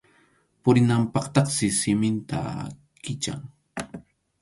Purinanpaqtaqsi siminta kichan.